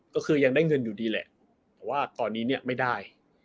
ก็คือยังได้เงินอยู่ดีแหละแต่ว่าตอนนี้เนี่ยไม่ได้